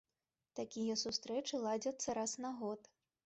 Такія сустрэчы ладзяцца раз на год.